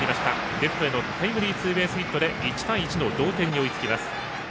レフトへのタイムリーツーベースヒットで１対１の同点に追いつきます。